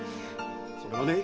それはね